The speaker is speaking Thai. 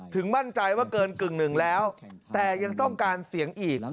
ถึงมั่นใจว่าเกิน๑๕แล้วแต่ยังต้องการเสียงอีก